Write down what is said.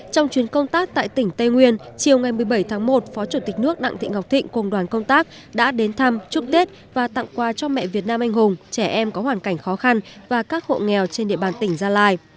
trong chuyến công tác tại tỉnh tây nguyên chiều ngày một mươi bảy tháng một phó chủ tịch nước đặng thị ngọc thịnh cùng đoàn công tác đã đến thăm chúc tết và tặng quà cho mẹ việt nam anh hùng trẻ em có hoàn cảnh khó khăn và các hộ nghèo trên địa bàn tỉnh gia lai